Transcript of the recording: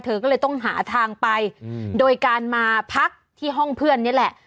เธอก็เลยต้องหาทางไปโดยการมาพักที่ห้องเพื่อนนี่แหละ